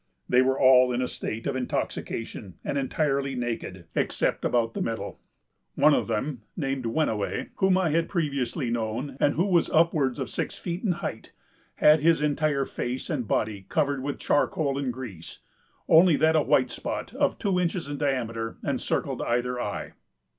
They were all in a state of intoxication, and entirely naked, except about the middle. One of them, named Wenniway, whom I had previously known, and who was upwards of six feet in height, had his entire face and body covered with charcoal and grease, only that a white spot, of two inches in diameter, encircled either eye.